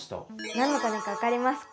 何のタネか分かりますか？